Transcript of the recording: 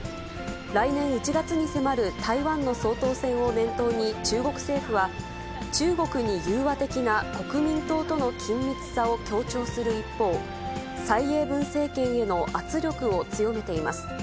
来年１月に迫る台湾の総統選を念頭に、中国政府は中国に融和的な国民党との緊密さを強調する一方、蔡英文政権への圧力を強めています。